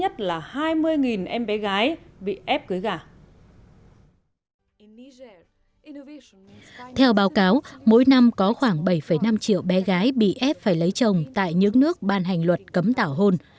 theo báo cáo mỗi năm có khoảng bảy năm triệu bé gái bị ép phải lấy chồng tại những nước ban hành luật cấm tảo hôn